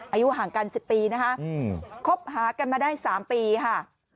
อายุห่างกัน๑๐ปีนะคะคบหากันมาได้๓ปีค่ะ